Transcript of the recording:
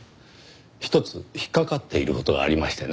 一つ引っかかっている事がありましてね。